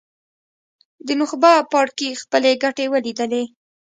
د نخبه پاړکي خپلې ګټې ولیدلې.